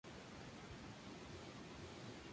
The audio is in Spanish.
Cada tarjeta cuesta energía que se restaura con el tiempo.